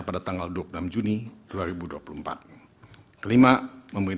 tertanggal tiga belas november dua ribu dua puluh tiga